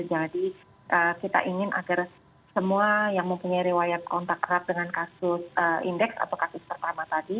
jadi kita ingin agar semua yang mempunyai rewired kontak eras dengan kasus indeks atau kasus pertama tadi